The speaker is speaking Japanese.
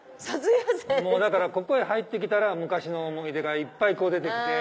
もうだからここへ入ってきたら昔の思い出がいっぱい出てきて。